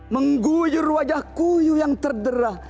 mengguyur wajah kuyuh yang terderah